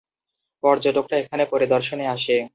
পর্যটকরা এখানে পরিদর্শনে আসে।